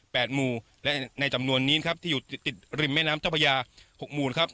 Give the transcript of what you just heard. หมู่และในจำนวนนี้ครับที่อยู่ติดติดริมแม่น้ำเจ้าพระยาหกหมู่ครับ